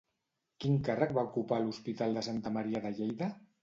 Quin càrrec va ocupar a l'Hospital de Santa Maria de Lleida?